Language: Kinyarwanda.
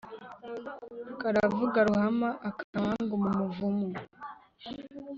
Karavuga ruhama-Akamangu mu muvumu.